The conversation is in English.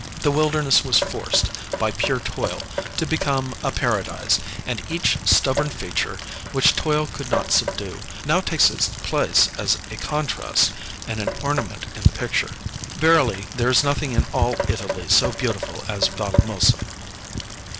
The wilderness was forced, by pure toil, to become a Paradise; and each stubborn feature, which toil could not subdue, now takes its place as a contrast and an ornament in the picture. Verily, there is nothing in all Italy so beautiful as Valdemosa!